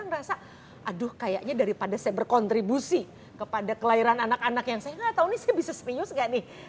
banyak orang merasa aduh kayaknya daripada saya berkontribusi kepada kelahiran anak anak yang saya enggak tahu ini saya bisnis serius enggak nih